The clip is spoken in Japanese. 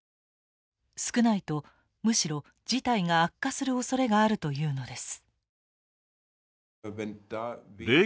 少ないとむしろ事態が悪化するおそれがあるというのです。